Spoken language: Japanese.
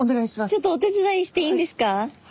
ちょっとお手伝いしていいんですか？